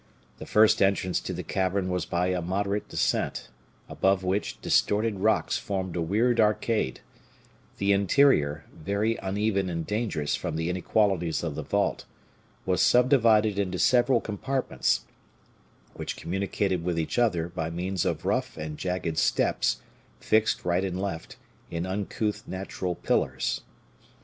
The first entrance to the cavern was by a moderate descent, above which distorted rocks formed a weird arcade; the interior, very uneven and dangerous from the inequalities of the vault, was subdivided into several compartments, which communicated with each other by means of rough and jagged steps, fixed right and left, in uncouth natural pillars.